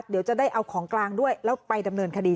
เดี๋ยวจะได้เอาของกลางด้วยแล้วไปดำเนินคดี